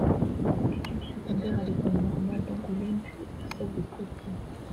Études secondaires à l’École normale d’Angoulême puis à celle de Poitiers.